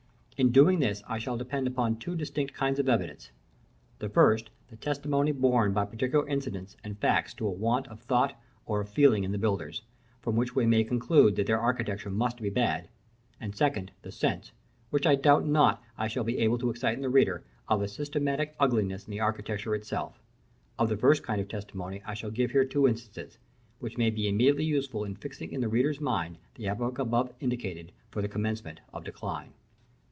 In doing this I shall depend upon two distinct kinds of evidence: the first, the testimony borne by particular incidents and facts to a want of thought or of feeling in the builders; from which we may conclude that their architecture must be bad: the second, the sense, which I doubt not I shall be able to excite in the reader, of a systematic ugliness in the architecture itself. Of the first kind of testimony I shall here give two instances, which may be immediately useful in fixing in the readers mind the epoch above indicated for the commencement of decline.